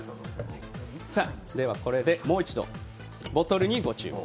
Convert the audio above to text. ではこれでもう一度、ボトルにご注目。